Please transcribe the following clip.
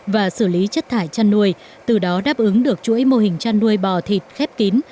và xử lý chất thải chăn nuôi từ đó đáp ứng được chuỗi mô hình chăn nuôi bò thịt khép kín